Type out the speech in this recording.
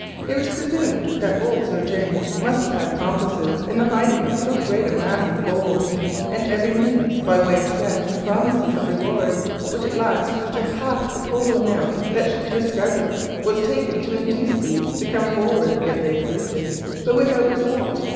It was presumed that old Sir James must have had accomplices in the hiding of so great a mass of gold, and every means was taken, by way of threats and promises of reward—which at last grew to half of the total amount that should be discovered—to induce these to come forward if they existed, but without result.